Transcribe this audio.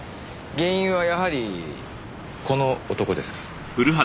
原因はやはりこの男ですか？